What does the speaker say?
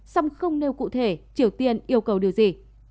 song không nêu cụ thể triều tiên yêu cầu điều gì